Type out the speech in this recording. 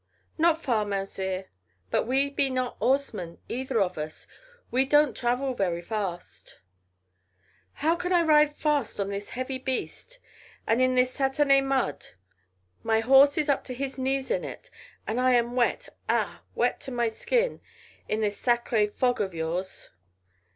"Not far, Mounzeer. But we be not 'orzemen either of us. We doan't travel very fast." "How can I ride fast on this heavy beast? And in this satané mud. My horse is up to his knees in it. And I am wet ah! wet to my skin in this sacré fog of yours."